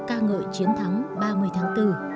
ca ngợi chiến thắng ba mươi tháng bốn